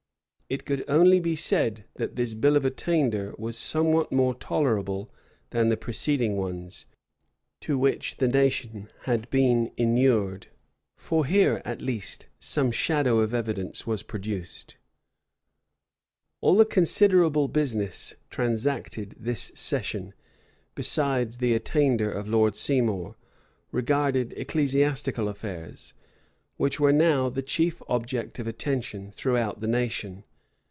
It could only be said, that this bill of attainder was somewhat more tolerable than the preceding ones, to which the nation had been inured; for here, at least, some shadow of evidence was produced. * 2 and 3 Edward VI. c. 18. Burnet vol. ii. p. 99. All the considerable business transacted this session, besides the attainder of Lord Seymour, regarded ecclesiastical affairs, which were now the chief object of attention throughout the nation.